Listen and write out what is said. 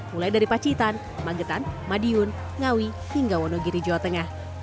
mulai dari pacitan magetan madiun ngawi hingga wonogiri jawa tengah